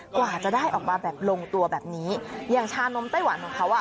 กว่าจะได้ออกมาแบบลงตัวแบบนี้อย่างชานมไต้หวันของเขาอ่ะ